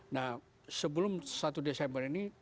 nah sebelum satu desember ini